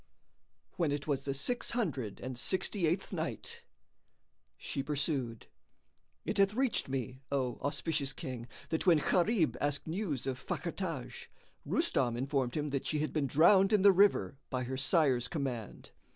When it was the Six Hundred and Sixty eighth Night, She pursued, It hath reached me, O auspicious King, that when Gharib asked news of Fakhr Taj, Rustam informed him that she had been drowned in the river by her sire's command.